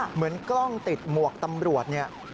เหมือนกล้องติดหมวกตำรวจเนี่ย